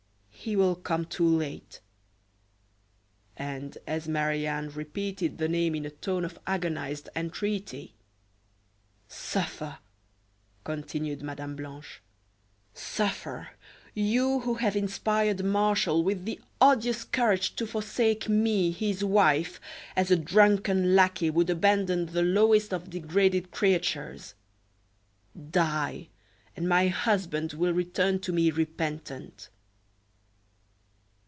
"He will come too late." And as Marie Anne repeated the name in a tone of agonized entreaty: "Suffer!" continued Mme. Blanche, "suffer, you who have inspired Martial with the odious courage to forsake me, his wife, as a drunken lackey would abandon the lowest of degraded creatures! Die, and my husband will return to me repentant."